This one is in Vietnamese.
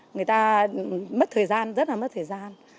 người ta mất thời gian rất là mất thời gian